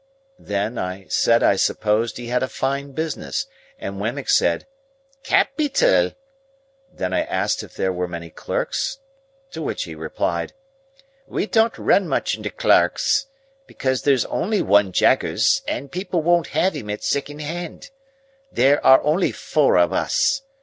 Then, I said I supposed he had a fine business, and Wemmick said, "Ca pi tal!" Then I asked if there were many clerks? to which he replied,— "We don't run much into clerks, because there's only one Jaggers, and people won't have him at second hand. There are only four of us.